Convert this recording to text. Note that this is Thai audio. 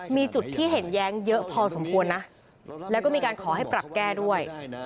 มีจุดที่เห็นแย้งเยอะพอสมควรนะแล้วก็มีการขอให้ปรับแก้ด้วย